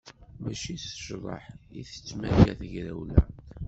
Mačči s ccḍeḥ i tettmaga tegrawla.